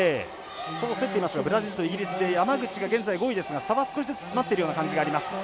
ほぼ競っていますがブラジルとイギリスで山口が現在５位ですが差は、少しずつ詰まってるような感じがあります。